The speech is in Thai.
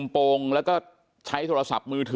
เป็นมีดปลายแหลมยาวประมาณ๑ฟุตนะฮะที่ใช้ก่อเหตุ